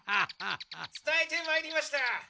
・つたえてまいりました。